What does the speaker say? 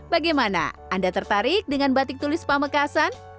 bagaimana anda tertarik dengan batik tulis pamekasan